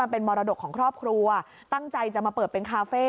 เป็นมรดกของครอบครัวตั้งใจจะมาเปิดเป็นคาเฟ่